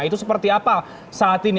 itu seperti apa saat ini